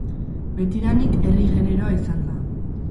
Betidanik herri generoa izan da.